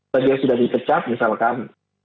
bagi yang sudah dipecat misalkan